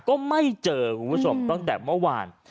ก็ไม่เจอคุณผู้ชมตั้งแต่เมื่อวาน